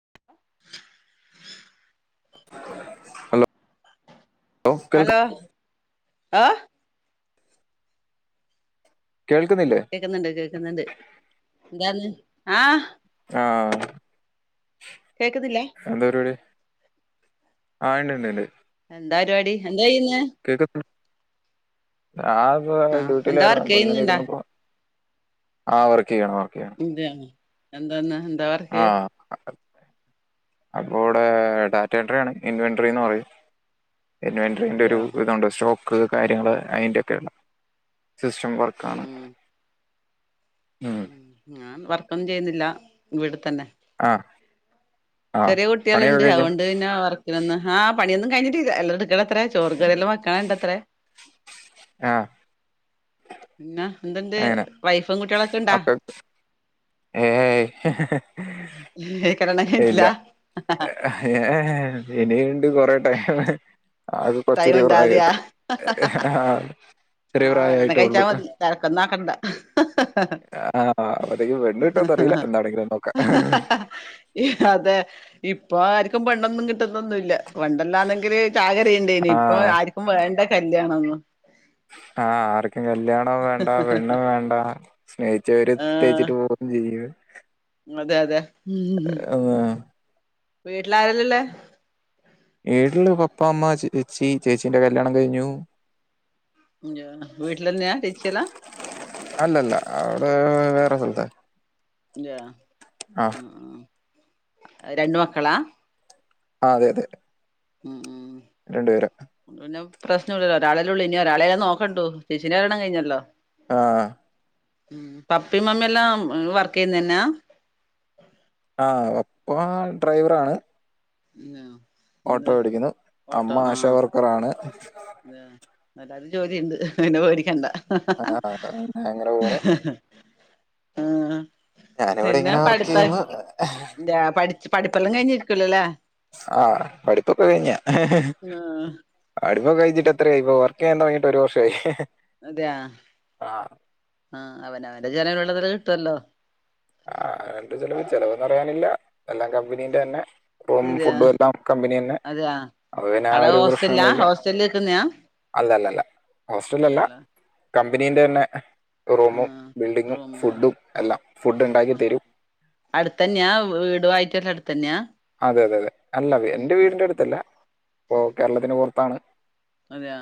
[inaudible] Hello hello ആഹ് കേൾക്കുന്നില്ലേ കേൾക്കുന്നുണ്ട് കേക്കുന്നുണ്ട് എന്താന്ന് ആഹ് ആഹ് കേൾക്ക്നില്ലേ അഎന്താ പരിപാടി ആഹ് ഉണ്ട് ഉണ്ട് ഉണ്ട് എന്താ പരിപാടി എന്താ ചെയ്യുന്നെ കേക്ക അത് ആഹ് എന്താ വർക്ക് ഡ്യൂട്ടിയിലായിരുന്ന ചെയ്യുന്നുണ്ടാ ഇങ്ങനെഇരുന്നപ്പോ ആ വർക്ക് ചെയ്യാണ് വർക്ക് ചെയ്യാണ് അതെ എന്തെന്നാ എന്താ വർക്ക് [inaudible] അപ്പോഇവിടെ ഡാറ്റ എൻട്രി ആണ് ഇൻവെൻട്രിന്ന് പറയും [unintelligible] ഒരു ഇതാ ഉം ഇതുണ്ട് സ്റ്റോക്ക് കാര്യങ്ങള് അതിന്റെക്കെയള്ള സിസ്റ്റം വർ ഉം ഉം ഉം ഞാൻ വർക്കൊന്നും ചെയ്യുന്നില്ല ഇവ്ടെ തന്നെ ആഹ് ചെറിയ കുട്ടികള് ഉണ്ട് അതൊകെണ്ട് പിന്നെ വർ ഇന്ന് ആ പണിയന്നും കഴിട്ടില്ല എല്ല എടുക്കത്ര ചോറുകയറി എല്ലാം വെക്കണത്രേ ആഹ് പിന്നെ എന്തണ്ട് അങ്ങനെ വൈഫും കുട്ടികള ഒക്കെ ഏയ് കല്യാണം ആട്ടില്ല ഇല്ല ഏ ഇനിയുണ്ട് കൊറെ ടൈം അത് ടൈം കൊചെറിയ ഉണ്ടാതെയാ പ്രായായിട്ട് ആ ചെറിയ പ്രായായിട്ടേ ഉള്ളു തിരക്കെന്ന് ആക്കണ്ട [inaudible] ആഹ് അപ്പത്തേക്ക് പെണ്ണ് കിട്ടോന്ന് അറിയില്ല എന്താണെങ്കിലും നോക്കാ അതെ ഇപ്പൊ ആർക്കും പെണ്ണൊന്നും കിട്ടുന്നൊന്നുമല്ല പണ്ടെല്ലാണെങ്കില് ചാകര ഇപ്പഉണ്ടേനി ആ ഇപ്പൊ ആർക്കും വേണ്ട കല്യാണോന്ന് ആഹ് ആർക്കും കല്യാണവും വേണ്ട പെണ്ണും വേണ്ട സ്നേഹിച്ചവര് ആഹ് തേച്ചിട്ട് പോ ജീവ അതെ അതെ ഉം ഉം. വീട്ടിലാരുല്ലല്ലേ വീട്ടില് പപ്പാ അമ്മ ചേച്ചി ചേച്ചീന്റെ കല്യാണം കഴിഞ്ഞു. വീട്ടിലന്ന്യാ ചേച്ചിയെല്ലാ അല്ലല്ല അവര് വേറെ സ്ഥലത്താ തേ ആ ആഹ് രണ്ട് മക്കളാ. ആഹ് അതെ അതെ ഉം ഉം രണ്ടു പേരാ പിന്നെ പ്രശ്നമില്ലല്ലോ ഒരാളല്ലേ ഉള്ളൂ ഇനി ഒരാളെല്ലാ നോക്കണ്ടു ചേച്ചിനെ കല്യാണം കഴിഞ്ഞല്ലോ ആഹ് ഉം പപ്പയും മമ്മില്ലാം വർക്ക് ചെയ്യുന്ന തന്നാ. ആ പപ്പാ ഡ്രൈവറാണ്. അതെയോ ഓട്ടോ ഓടിക്കുന്ന് അമ്മ ആശ വർക്കറാണ്. അതെ എല്ലാർക്കും ജോലിയുണ്ട് പിന്നെ പേടിക്കണ്ട ആ, അങ്ങനെ പോണു ആഹ് ഞാനിവിടെ പിന്നാ ഇങ്ങനെ വർക്ക് പഠിത്ത ചെയ്യുന്നു ഏ പഠി ജ്ജ് പഠിപ്പല്ലാം കഴിഞ്ഞിരിക്കല്ലല്ലേ. ആഹ പഠിപ്പൊക്കെ കഴിഞ്ഞാ. ആഹ് പഠിപ്പെക്കെ കഴിഞ്ഞിട്ട് എത്രയായി ഇപ്പൊ വർക്ക് ചെയ്യാൻ തുടങ്ങിയിട്ട് ഒരു വർഷആയി. അതെയാ ആ അവന് അവന്റെ ചെലവിനുള്ളത് കിട്ടൊല്ലോ? ആഹ് അതിന്റെ ചെലവ് ചെലവെ ന്ന് പറയാനില്ല എല്ലാം കമ്പനീന്റെന്നെ. റൂം അതെയാ ഫുഡും എല്ലാം കമ്പനിനെന്നെ അതെയാ അപ്പൊ പിന്നെ ആ അവിടെ ഒരു ഹോസ്റ്റലിലാ പ്രശ്നങ്ങളില്ല. ഹോസ്റ്റലിൽ നിക്കുന്നയാ അല്ലല്ലല്ല ഹോസ്റ്റലിലല്ല. അല്ലല്ല കമ്പനീൻ്റെന്നെ റൂമും ആഹ് ബിൽഡിങ്ങും റൂമ് ഫുഡും എല്ലാം ഫുഡ് ഉണ്ടാക്കി തരും. അടുത്തന്നെയാ വീട് വായിട്ടെ ക്ക അടുത്തന്നെയാ. അതെ അതെ അതെ അല്ല എന്റെ വീടിന്റെ അടുത്തല്ല ഇ കേരളത്തിന് പൊറത്താണ്. അതെയൊ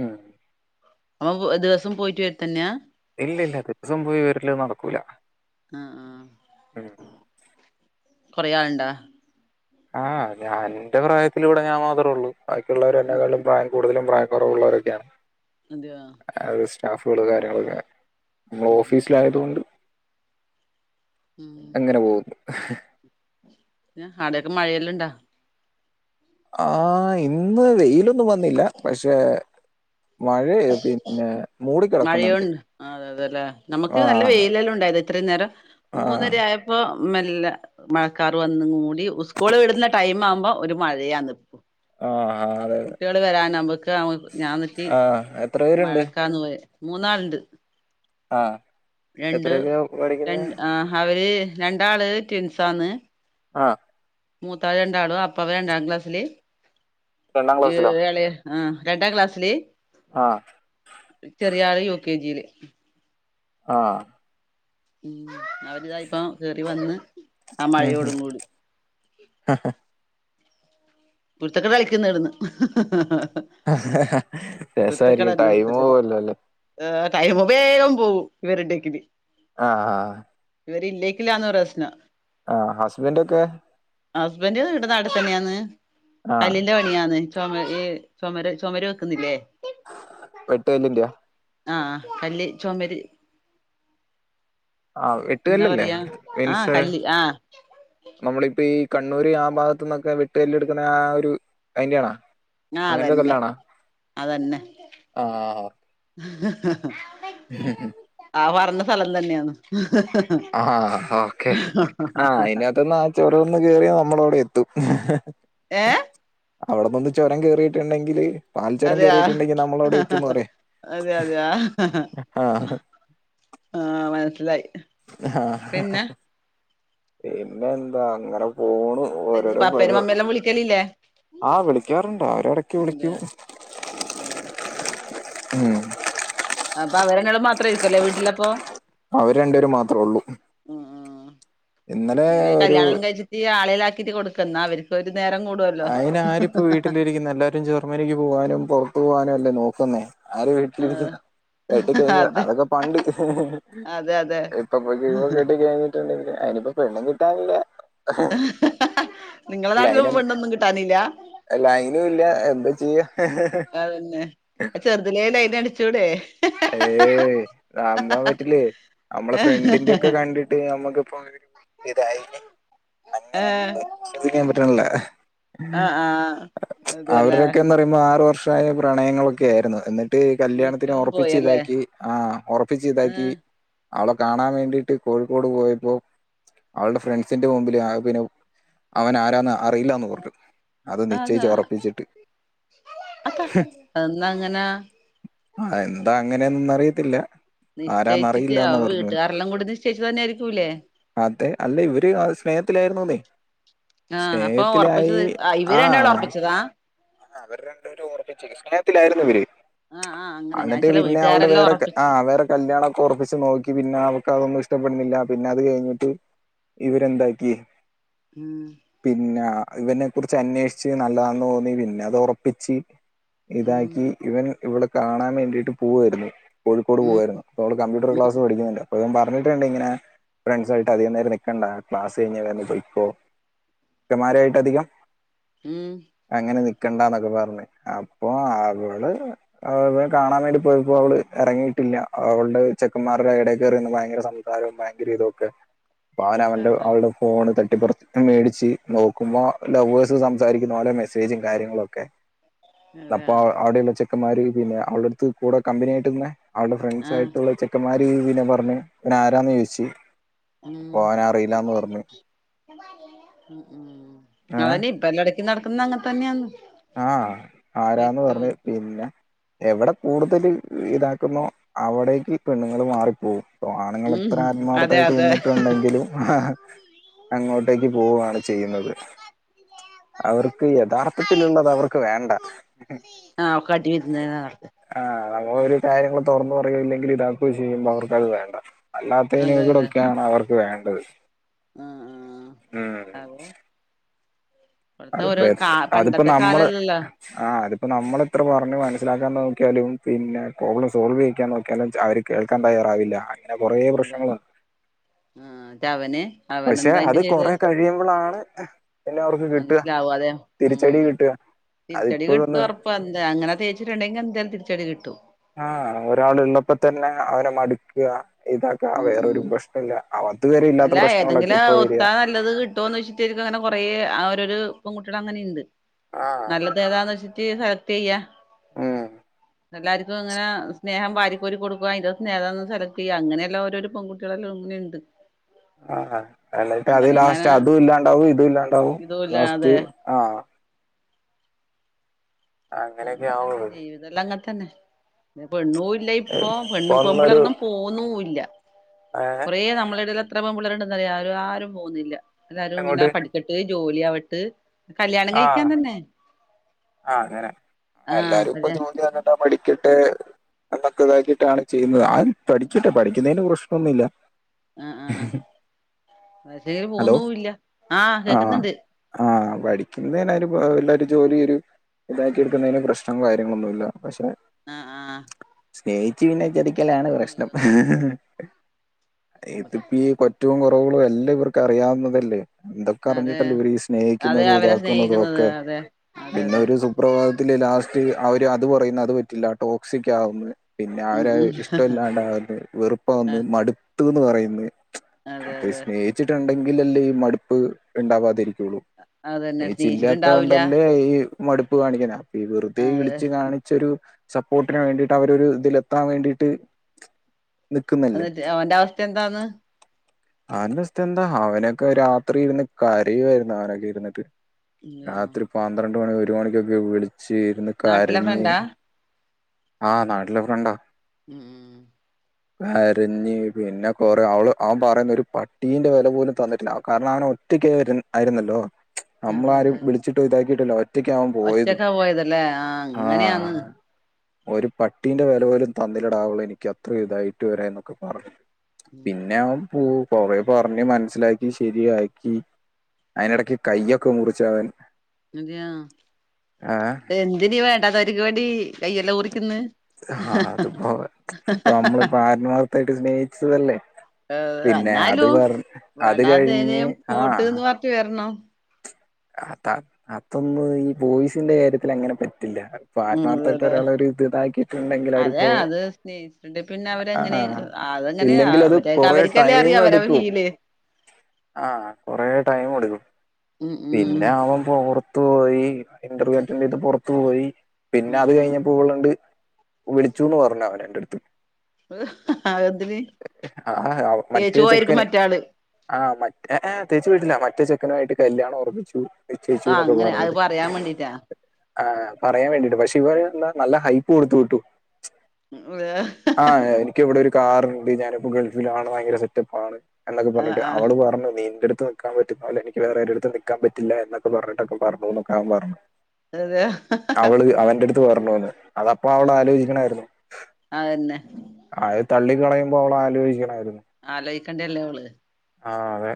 ഉം അ ദിവസം പോയിട്ട് വരത്തന്നെയാ ഇല്ല ഇല്ല ദിവസം പോയി വരല് നടക്കൂല. ആഹ് ആഹ് ഉം. കൊറേ ആൾണ്ടാ ആഹ് ഞാൻന്റെ പ്രായത്തില ഇവിടെ ഞാൻ മാത്രേ ഉള്ളൂ ബാക്കിയുള്ളവർ എന്നേക്കാലും പ്രായം കൂടുതലും പ്രായ കുറവുള്ളവരൊക്കെയാണ്. അതയൊ അത് സ്റ്റാഫുകൾ കാര്യങ്ങളൊക്കെ നമ്മൾ ഉം ഉം ഓഫീസിലായതുകൊണ്ട് ഉം അങ്ങനെ പോകുന്നു. പിന്നാ ആടൊക്കെ മഴയെല്ലാം ഉണ്ടാ ആ ഇന്ന് വെയിലൊന്നും വന്നില്ല പക്ഷെ മഴ പിന്നെ മൂടിക്കിടക്കുന്നുണ്ട് മഴയുണ്ട് അത അതെല്ലേ നമുക്ക് ആ നല്ല വെയിലെല്ലാം ഉണ്ടായത്. ഇത്രയും നേരം ആ മൂന്നരആയ പ്പൊ മെല്ലെ മഴക്കാർ വന്നങ്ങ് മൂടി സ്കൂള് വിടുന്ന ടൈം ആകുമ്പൊ ഒരു മഴയാണ് ഇപ്പൊ ആഹാ അതെ അതെ. കുട്ടികള് വരാൻ നമ്മുക്ക് ഞാന്നിട്ടി ആ എത്ര പേരുണ്ട് മഴക്കാന്ന് പോയെ മൂന്നാളുണ്ട്. ആഹ് രണ്ട് എത്രയൊക്കെയാ പഠിക്കുന്നെ രണ്ട് ആഹ് അവര് രണ്ടാള് ട്വിൻസാന്ന്. ആഹ് മൂത്താള് രണ്ടാളും അപ്പവ് രണ്ടാം ക്ലാസ്സില് രണ്ടാം ഈ ക്ലാസ്സിലോ ഇള ആ രണ്ടാ ക്ലാസ്സില് ആഹ ചെറിയ ആള് യുകെജില് ആഹ അവര്താ ഇപ്പം കേറി വന്ന് ആ മഴയോടും കൂടി അഹ് കുരുത്തക്കേട് കളിക്കുന്ന് ഇവിട്ന്ന് രസായിരിക്കും ടൈം പോവല്ലോ ലെ ടൈമ് വേഗം പോവും ഇവരുണ്ടെങ്കില് ആഹ് ആഹ് ഇവരില്ലെങ്കിലാണ് പ്രശ്നം ആ ഹസ്ബന്റ് ഒക്കെ ഹസ്ബന്ഡ് ഇവ്ടെ നാട്ടി തന്നെയാണ് ആ കല്ലിന്റെ പണിയാണ് ചൊമര് ചൊമര് ചൊമര് വെക്കുന്നില്ലേ വെട്ട് കല്ലിന്റെയാ ആഹ് ആഹ് കല്ല് ചൊമര് ആ എന്നാ എട്ടുകല്ലല്ലേ പറയാ ആഹ് വിൻസ് കല്ല് ആഹ് നമ്മൾ ഇപ്പം ഈ കണ്ണൂര് ആ ഭാഗത്തു നിന്നൊക്കെ വെട്ടുകല്ല് എടുക്കുന്ന ആ ഒരു അയ്ന്റെ ആണോ ആഹ് അങ്ങൻത്തെ അതന്നെ കല്ലാണോ ആ ഇഹ് ഹ ഹ ഇഹ് ഹ ആ പർഞ്ഞ സ്ഥലം തന്നെയാണ് ആഹ് ഓക്കെ ആഹ് അയ്നകത്ത്ന്നാ ആ ചൊരൊന്ന് കേറിയ നമ്മടെ അവടെ എത്തും ഏ അവ്ടെ നിന്ന് ചൊരം കേറിയിട്ടുണ്ടെങ്കില് പാൽ ചുരം അതെയാ കേറിയിട്ടുണ്ടെങ്കി നമ്മൾ അവ്ടെ എത്തൂന്ന് പറയ് അതെ അതെ യാ ആഹ് മനസിലായി പിന്നെ എന്താ അങ്ങനെ പോണ് ഓരോരോ പപ്പേനും പരു മമ്മേല്ലാം വിളിക്കലില്ലേ ആ വിളിക്കാറുണ്ട് അവരിടക്ക് വിളിക്കും അഹ് ആഹ് ഉം അപ്പൊ അവര് ഇങ്ങളും മാത്രം ആയിരിക്കുവല്ലേ വീട്ടിലപ്പോ അവര് രണ്ടുപേര് മാത്രേ ഉള്ളൂ ഉം ഉം ഇന്നലെ ഒരു ഈ ആളിലാക്കിട്ട് കൊടുക്കുന്ന അവർക്ക് ഒരു നേരം കൂടു അയിന് ആരിപ്പോ വീട്ടിലിരിക്കുന്ന് എല്ലാരും ജർമ്മനിക്ക് പോകാനും പുറത്തു പോകാനും അല്ലേ നോക്കുന്നേ ആര് വീ ആഹ് [unintelligible] വെട്ടി കഴിഞ്ഞ് അതെ അതൊക്കെ പണ്ട് ഇപ്പം അതെ അതെ [unintelligible] കെട്ടി കഴിഞ്ഞിട്ടുണ്ടക്കിൽ അയിനിപ്പം പെണ്ണും കിട്ടാനില്ല [unintelligible] നിങ്ങളെ നാട്ടിലും ലൈനും പെണ്ണൊന്നും കിട്ടാനില്ല ലൈനും ഇല്ല എന്താ ചെയ്യാ അതന്നെ ചെറുതിലേ ലൈൻ അടിച്ചൂടേ ഏയ് നമ്പാൻ പറ്റില്ലേ നമ്മളെ ഫ്രണ്ടിന്റെ ഒക്കെ കണ്ടിട്ട് നമ്മക്കിപ്പോ ഇതായിന് അങ്ങനെ ഏഹ് വിശ്വവസിക്കാൻ പറ്റണില്ല ആഹ് ആഹ് അതെല്ലേ അവരുടൊക്കെന്ന് പറ ആറ് വർഷായ പ്രണയങ്ങളൊക്കെ ആയിരുന്നു എന്നിട്ട് കല്ല്യാണത്തിന് എന്നിട്ടും ഉറ പ്പിച്ച് പോയല്ലേ ഇതാക്കി ആ ഉറപ്പിച്ച് ഇതാക്കി ഏഹ് അവളെ കാണാൻ വേണ്ടിയിട്ട് കോഴിക്കോട് പോയപ്പോ അവളുടെ ഫ്രണ്ട്സിന്റെ മുമ്പിൽ [unintelligible] അവൻ ആരാന്ന അറിയില്ല്യാന്ന് പറഞ്ഞ് അത് നിശ്ചയിച്ച് ഉറപ്പിച്ചിട്ട് അതാ അതെ എന്താ അങ്ങനെ ആ! എന്താ അങ്ങനെയെന്നറിയത്തില്ല. നിശ്ചയിച്ചിട്ട് ആ വീട്ടുകാരെല്ലാം കൂടി നിശ്ചയിച്ചു തന്നെ ആയിരിക്കൂല്ലേ? അതെ! അല്ല ഇവര് സ്നേഹത്തിലായിരുന്നുന്നെ! ആഹ് അപ്പൊ സ്നേഹത്തിലായി ഉറപ്പിച്ചത് ഇവര് രണ്ടാളും ആഹ്! ഉറപ്പിച്ചതാ അവര് രണ്ടുപേരും ഉറപ്പിച്ചു സ്നേഹത്തിലായിരുന്നു ഇവര്. ആഹ് ആഹ് അങ്ങനെ ഞാൻ എന്നിട്ട് ചില പിന്നെ അവള് വീട്ടുകാരെല്ലാം വേറെ ആ ഉറപ്പിച്ച് വേറെ! കല്യാണം ഒക്കെ ഉറപ്പിച്ച് നോക്കി പിന്നെ അവക്ക് അതൊന്നും ഇഷ്ടപ്പെടുന്നില്ല. പിന്നെ അത് കഴിഞ്ഞിട്ട്! ഇവരെന്താക്കി. ഉം. പിന്നെ ഇവനെ കുറിച്ച് അന്വേഷിച്ച് നല്ലതാന്ന് തോന്നി പിന്നെ അത് ഒറപ്പിച്ച്. ഉം ഇതാക്കി ഇവൻ ഇവളെ കാണാൻ വേണ്ടിയിട്ട് പോവായിരുന്നു. കോഴിക്കോട് ഉം പോവായിരുന്നു ഇപ്പോൾ അവള് കമ്പ്യൂട്ടർ ക്ലാസ് പഠിക്കുന്നില്ല. പറഞ്ഞിട്ടുണ്ട് ഇങ്ങനെ ഫ്രണ്ട്സായിട്ട് അധികം നേരം നിൽക്കണ്ട ക്ലാസ് കഴിഞ്ഞ് അന്നേരം പൊയ്ക്കൊ. പുരുഷൻമാരുമായിട്ട് അധികം! ഉം. അങ്ങനെ നിക്കണ്ടന്നൊക്കെ പറഞ്ഞ്. അപ്പൊ അവള്! കാണാൻ വേണ്ടി പോയപ്പോ അവള് ഇറങ്ങിയിട്ടില്ല. അവളുടെ ചെക്കന്മാരുടെ ഇടയിൽ കയറി നിന്ന് ഭയങ്കര സം സാരം ഭയങ്കര ഇതൊക്കെ പാന് അവന്റെ അതെ അവളുടെ! ഫോൺ തട്ടിപറിച്ച് മേടിച്ച് നോക്കുമ്പോ ലവേഴ്സ് സംസാരിക്കുന്നതു പോലെ മെസ്സേജ്! കാര്യങ്ങളൊക്കെ അപ്പ അതെ അവിടെയുള്ള ചെക്കന്മാര് പിന്നെ അവള്! കൂടെ കമ്പിനിയായിട്ടു നിന്ന അവളടെ ഫ്രണ്ട്സ് ആഹ് ആയിട്ടുള്ള ചെക്കന്മാരിനെ പറഞ്ഞു ഇവനാരാന്നു ചോദിച്ചു. ഉ അപ്പൊ അവൻ അറിയില്ലാന്ന് പറഞ്ഞു ഉം! ഏഹ് അതന്നെ ഇപ്പ എല്ലാടെ! ഈ നടക്കുന്ന അങ്ങനെ തന്നെയാന്ന്! ആഹ്! ആരാന്ന് പറഞ്ഞ് പിന്നെ എവിടെ കൂടുതൽ ഇതാക്കുന്നോ! അവിടേക്ക് ഈ പെണ്ണുങ്ങൾ മാറിപ്പോവും. അപ്പോ ആണുങ്ങൾ ഉം എത്ര അതെ ആത്മാർത്ഥായിട്ട് അതെ നിന്നിട്ടുണ്ടെങ്കിലും. ആഹ്! അങ്ങോട്ടേക്ക് പോവുയാണ് ചെയ്യുന്നത്. അവർക്ക് യഥാർത്ഥത്തിലുള്ളത് അവർക്ക് വേണ്ട. ആഹ് കാട്ടി വിരുന്ന് നടത്ത് ആഹ്! നമ്മൾ ഒരു കാര്യങ്ങളു തുറന്നു പറയുകയോ ഇല്ലെങ്കിൽ ഇതാക്കുകയോ ചെയ്യുമ്പോ അവർക്കത് വേണ്ട. അല്ലാത്ത അതെ അതെ ഇനകടൊക്കെയാണ് അവർക്ക് വേണ്ടത്. ആഹ് ഉം! ആഹ് അതെ ഇപ്പഴത്തെ അതിപ്പോ ഒരു കാ അതിപ്പോ പണ്ടത്തെ നമ്മള്! കാലല്ലല്ലോ ആഹ്! അതിപ്പോ നമ്മളെത്ര പറഞ്ഞു മനസ്സിലാക്കാൻ നോക്കിയാലും പിന്നെ പ്രോബ്ലം സോൾവ് ചെയ്ക്കാൻ നോക്കിയാലും അവർ! കേൾക്കാൻ തയ്യാറാവില്ല. അങ്ങനെ കുറെേ അതെ പ്രശ്നങ്ങളുണ്ട്. ആഹ്! അതവനെ! പക്ഷെ അത് കൊറെ കഴിയുമ്പോളാണ്! പിന്നെ അവർക്ക് കിട്ടുക മനസ്സിലാവാതെ തിരിച്ചടി കിട്ടുക അതിപ്പോഴൊന്ന്! ഇപ്പ എന്ത അങ്ങനെ തേച്ചിട്ടുണ്ടെങ്കി എന്തായാലുംതിച്ചടി കിട്ടും. ആഹ്! ഒരാളുള്ളപ്പോ തന്നെ അവനെ മടുക്കുക ഇതാക്കാ ഉം ഉം വേറൊരു പ്രശ്നം ഇല്ല. അത് വരെ ഇല്ലാത്ത അല്ല പ്രശ്നങ്ങളൊക്കെ ഏതെങ്കിലും ഇപ്പ വരിക! ഒത്താ നല്ലത് കിട്ടുമെന്ന് വെച്ചിട്ട് അങ്ങനെ കൊറെ ഓരോരു പെൺ കുട്ടികൾട്അങ്ങനെ ഉണ്ട് ആ നല്ല- തുഏതാന്ന് വച്ചിട്ട് സെലക്ട് ചെയ്യാ? ഉം! എല്ലാവർക്കും അങ്ങനെ സ്നേഹം വാരിക്കോരി കൊടുക്കുക ഇന്റെ സ്നേഹന്ന് സെലക്ട് ചെയ്യുക. അങ്ങനെയുള്ള ഓരോരോപൺകുട്ടി! [unintelligible] ആഹാ! എന്നിട്ട് അത് അങ്ങനെങ്ങനെ ലാസ്റ്റ് അതും ഇല്ലാണ്ടാവും ഇതും ഇല്ലാണ്ടാവും ലാസ്റ്റ് ഇതുല്ലാതെ ആഹ്- അങ്ങനെയൊക്കെ അങ്ങനെ തന്നെ ആവുള്ളൂ ജീവിതംല്ലാം അങ്ങനെ തന്നെ. പെണ്ണു! ഇല്ല ഇപ്പോ പെണ്ണ് ഇപ്പൊന്നൊരു പെമ്പിള്ളേരൊന്നും പോന്നും ഇല്ല. ഏ കുറേ നമ്മുടെയിടയില്. എത്ര പെൺപിള്ളേരുണ്ടെന്നറിയാമോ? ആരും ആരും പോകുന്നില്ല. എല്ലാരും ഇങ്ങനെ അങ്ങോട്ട് പഠിക്കട്ട് ജോലി ആവട്ട്! കല്യാണം കഴിക്കാൻ തന്നെ! ആഹ്! അങ്ങനാ. ആഹ് എല്ലാരും ഇപ്പൊ കല്യാ ജോലി എന്നിട്ടാ പഠിക്കട്ടെ എന്നൊക്കെ ഇതാക്കിട്ടാണ്! ചെയ്യുന്നത്. ആരും പഠിക്കട്ടെ. പഠിക്കുന്നേന് പ്രശ്നൊന്നുല്ല. ആഹ് ആഹ് പക്ഷെ അതിന് പോകുന്നുവില്ല ആഹ് കേക്കുന്നുണ്ട് ആഹ് പഠിക്കുന്നേന് അവര് എല്ലാരും ജോലി തരും ഇതാക്കി എടുക്കുന്നേന് പ്രശ്നങ്ങളും കാര്യങ്ങളും ഒന്നുമില്ല പക്ഷെ ആഹ് ആഹ് സ്നേഹിച്ചു പിന്നെ ചതിക്കലാണ് പ്രശ്നം. ഇതിപ്പി കൊ റ്റവും കുറവുകളും എല്ലാം ഇവർക്ക് അറിയാവുന്നതല്ലേ. ഇതൊക്കെ അതെ അറിഞ്ഞിട്ടല്ലേ ഇവര് ഈ അതെ സ്നേഹിക്കുന്നതും അവരെ ഇതാക്കുന്നതും സ്നേഹിക്കുന്നത് ഒക്കെ അതെ അതെ പിന്നെ അതെ ഒരു സു പ്രഭാതത്തില് ലാസ്റ്റ് അവര് അത് പറയുന്ന് അത് പറ്റില്ല ടോക്സിക് ആവുന്ന് പിന്നെ ഉം അവരത് ഉം ഇഷ്ടമല്ലാണ്ടാവ്ന്ന് വെറുപ്പാവ്ന്ന് മടുത്തൂന്ന് പറയുന്ന് അതെ ഇപ്പൊ ഈ അതെ സ്നേഹിച്ചിട്ടുണ്ടെങ്കിലല്ലേ ഈ മടുപ്പ് ഉണ്ടാവാതിരിക്കൊള്ളൂ അതന്നെ സ്നേഹിച്ചില്ലാത്ത സ്നേഹിച്ചിട്ടുണ്ടാവൂല കൊണ്ടല്ലേ ഈ മടുപ്പ് കാണിക്ക്ന്നെ അപ്പൊ ഈ വെറുതെ അതെ ഇളിച്ച് കാണിച്ചൊരു സപ്പോർ ട്ടിന് വേണ്ടിട്ട് അവര് ഒരു ഇതിലെത്താൻ വേണ്ടീട്ട് എന്നിട്ട് അവന്റെ അവസ്ഥ എന്താന്ന് അവന്റെ അസ്ഥ എന്താ അവനൊക്കെ രാത്രി ഇരുന്ന് കരയുവായിരുന്നു അവനൊക്കെ ഇരുന്നിട്ട് ഇല്ലയോ രാത്രി പന്ത്രണ്ട് മണി ഒരു മണിക്കൊക്കെ വിളിച്ച് ഇരുന്ന് നാട്ടിലെ കരഞ്ഞ് ഫ്രണ്ടാ ആഹ് നാട്ടിലെ ഫ്രണ്ടാ ഉഹും കരഞ്ഞ് പിന്നെ കൊറേ അവള് അവൻ പറയുന്നു ഒരു പട്ടീന്റെ വില പോലും തന്നിട്ടില്ല കാരണം അവന് ഒറ്റക്ക് ആയിര് ആയിരുന്നല്ലോ അതെ നമ്മളാരും അതെ വിളി ച്ചിട്ടും ഇതാക്കിയിട്ടുല്ലാ ഒറ്റക്കാ അവൻ പോയതും ഒറ്റക്കാ പോയതല്ലേ ആഹ് ആഹ് അങ്ങനെയാന്ന് ഒരു പട്ടീന്റെ വില പോലും തന്നില്ലടാവള് എനിക്ക് അത്രയും ഇതായിട്ട് വരെ എന്നൊക്കെ പറഞ്ഞു പിന്നെ അവൻ പോ പോവെ പറഞ്ഞ് മനസ്സിലാക്കി ശെരിയാക്കി അയിനെടക്ക് കയ്യൊക്കെ മുറിച്ചവൻ അതെയാ ആ എന്തിന് ഈ വേണ്ടാതോര്ക്ക് വേണ്ടി കൈയെല്ലാം മുറിക്കുന്ന് ആഹ് അത്പ്പവൻ നമ്മളിപ്പോ ആൽമാർത്തായിട്ട് സ്നേഹിച്ചതല്ലേ പിന്നെ അത് എന്നാലും പർ അത് കഴിഞ്ഞ് ആഹ് റ്റ് വര്ണോ അതാ അതൊന്നും ഈ ബോയ്സിന്റെ കാര്യത്തിൽ അങ്ങനെ പറ്റില്ല ഇപ്പൊ ഉം അതെ ആത്മാർത്ഥമായിട്ട് അതെ. ഒരാളെ ഒരു ഇത് ഇതാക്കിയിട്ടുണ്ടെങ്കിൽ അതാ അവരിപ്പോ അത് സ്നേഹിച്ചിട്ടുണ്ടെ പിന്നെ ആ അവരങ്ങനെ അതങ്ങനെയാ ഇല്ലെങ്കിൽ അത് അവര് കുറെ അവര്ക്കല്ലേ അറിയൂ അവരെ ഫീല് ആഹ് കൊറെ ടൈം എടുക്കും ഉം ഉം പിന്നെ അവൻ പുറത്തു പോയി ഇന്റർവ്യൂ അറ്റൻഡ് ചെയ്ത് പുറത്തു പോയി പിന്നെ ഉം അത് കഴിഞ്ഞപ്പോ ഇവള് ണ്ട് വിളിച്ചൂന്ന് പറഞ്ഞ് അവൻ എന്റെ ട്ത്ത് ആഹ് എന്തിന് ആഹ് അവ തേച്ചു മറ്റേ പോയിരിക്കും ചെക്കന് മറ്റാള് ആഹ് മറ്റ് എ ഏ തേച്ച് വിട്ടില്ല മറ്റേ ചെക്കനുവായിട്ട് കല്ല്യാണം ഒറപ്പിച്ചു ആഹ് നിശ്ചയിച്ചുന്നൊക്കെ അങ്ങനെ അത് പറഞ്ഞിട്ട് പറയാൻ വേണ്ടീട്ടാ ആഹ് പറയാൻ വേണ്ടീട്ട് പക്ഷെ ഇവൻ എന്താ നല്ല ഹൈപ്പ് കൊടുത്തു വിട്ടു ഉം അതെ ആഹ് എനിക്കിവിടെ ഒരു കാറ് ണ്ട്. ഞാനിപ്പോ ഗൾഫിലാണ് ഭയങ്കര സെറ്റപ്പാണ് എന്നൊക്കെ പറഞ്ഞിട്ട് ആഹ് അവള് പറഞ്ഞു നിന്റെ അട്ത്ത് നിക്കാൻ പറ്റുന്നോലെ എനിക്ക് വേറാര്ടെ അടുത്തും നി ക്കാൻ പറ്റില്ല എന്നൊക്കെ പറഞ്ഞിട്ടൊക്കെ പറഞ്ഞൂന്നൊക്കെ അവൻ പറഞ്ഞു അതെ ആഹ് അവള് അവന്റെ അടു ത്ത് പറഞ്ഞൂന്ന് അതപ്പൊ അവള് ആലോചിക്കണായിരുന്നു അതന്നെ അത് തള്ളിക്കളയുമ്പോ അവള് ആലോചിക്കണായിരുന്നു ആലോയിക്കണ്ട്യല്ലേ അവള് ആഹ് അതെ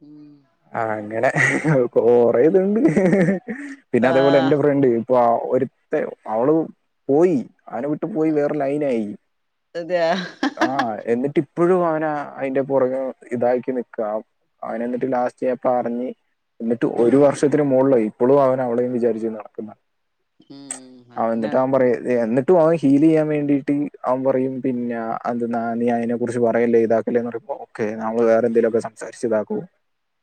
ഉം ആഹ് അങ്ങനെ കോറേ ഇതുണ്ട് പിന്നെ അതേപോലെ ആഹ് എന്റെ ഫ്രണ്ട് വാ ഒരുത്തെ അവളു പോയി അവനെ വിട് ട്ട് പോയി വേറെ ലൈനായി. അതെ ആഹ് എന്നിട്ടിപ്പഴും അവനാ അയ്ന്റെ പൊറകെ ഇതാക്കി നിക്കാ അവനെന്നിട്ട് ലാസ് ചെ പാർഞ്ഞ് എന്നിട്ട് ഒരു ഉം വർഷത്തിന് മോൾലായ് ഇപ്പളും അവനവളേം വിചാരിച്ച് നട്ക്ക്ന്ന. ഉം അവൻ അങ്ങനെ ന്നിട്ടവൻ പറയും എന്നി ട്ടു അവൻ ഹീലെയ്യാൻ വേണ്ടീട്ട് അവൻ പറയും പിന്നെ അന്ത്ന്നാ നീ അയ്നെക്കുറ്ച്ച് പറയല്ലേ ഇതാക്കല്ലേ എന്ന് പറ്ഞ്ഞ്പ്പൊ ക്കെ നമ്മള് വേറെന്തേലൊക്കെ സംസാരിച്ച്താക്കും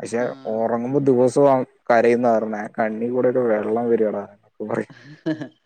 പക്ഷെ ആ ഒറങ്ങു ങ്ങു ദിവസോം അവൻ കരയുന്ന പർന്നെ കണ്ണീകൂടെക്കെ വെള്ളം വര്വെടാ അവൻ പറയാ.